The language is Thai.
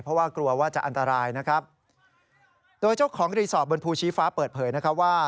เพราะว่ากลัวว่าจะอันตรายนะครับโดยเจ้าของรีสอร์ทบนภูชีฟ้าเปิดเผยนะคะว่า